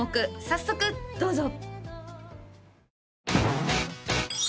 早速どうぞ！